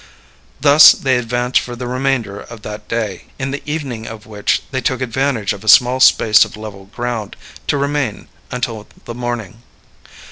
Thus they advanced for the remainder of that day, in the evening of which they took advantage of a small space of level ground, to remain until the morning.